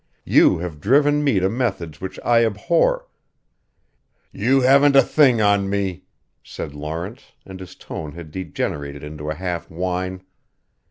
You have driven me to methods which I abhor " "You haven't a thing on me," said Lawrence and his tone had degenerated into a half whine.